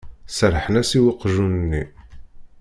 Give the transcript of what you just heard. Serrḥen-as i weqjun-nni.